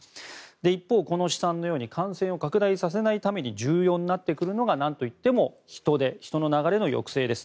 一方、この試算のように感染を拡大させないために重要になってくるのがなんといっても人出人の流れの抑制です。